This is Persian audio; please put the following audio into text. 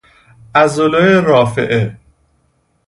عضله رافعه